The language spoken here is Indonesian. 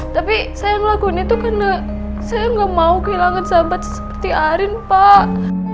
tapi saya ngelakuin itu karena saya nggak mau kehilangan sahabat seperti arin pak